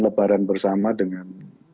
lebaran bersama dengan